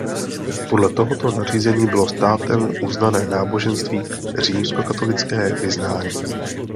Podle tohoto nařízení bylo státem uznané náboženství římskokatolické vyznání.